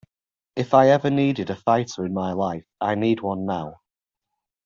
If I ever needed a fighter in my life I need one now.